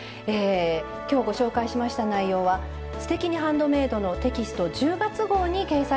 今日ご紹介しました内容は「すてきにハンドメイド」のテキスト１０月号に掲載されています。